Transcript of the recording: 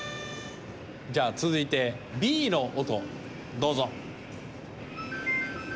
じゃあ続いてＢの音どうぞ。